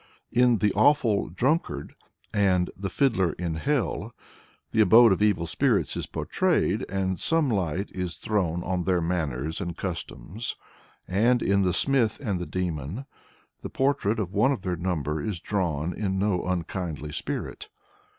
In the Awful Drunkard (No. 6), and the Fiddler in Hell (No. 41), the abode of evil spirits is portrayed, and some light is thrown on their manners and customs; and in the Smith and the Demon (No. 13), the portrait of one of their number is drawn in no unkindly spirit.